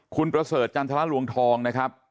คุณประเสริฐจันทรลวงทองนะครับ